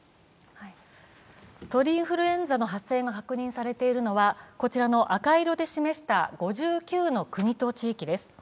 鳥インフルエンザの発生が確認されているのはこちらの赤色で示した５９の国と地域です。